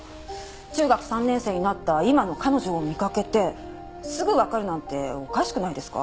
中学３年生になった今の彼女を見かけてすぐわかるなんておかしくないですか？